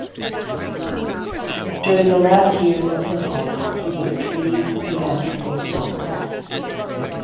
During the last years of his life he wrote three theatrical solo acts.